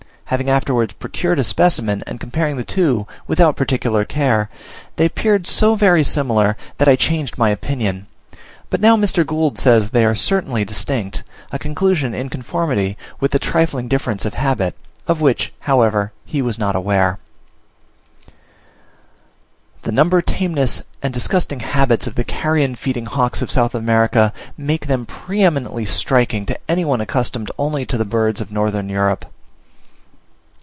Having afterwards procured a specimen, and comparing the two without particular care, they appeared so very similar, that I changed my opinion; but now Mr. Gould says that they are certainly distinct; a conclusion in conformity with the trifling difference of habit, of which, of course, he was not aware. The number, tameness, and disgusting habits of the carrion feeding hawks of South America make them pre eminently striking to any one accustomed only to the birds of Northern Europe.